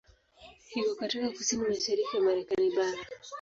Iko katika kusini mashariki ya Marekani bara.